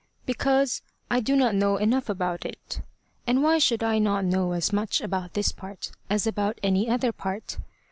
Because I do not know enough about it. And why should I not know as much about this part as about any other part?